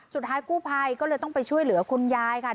สุดท้ายกู้ภัยก็เลยต้องไปช่วยเหลือคุณยายค่ะ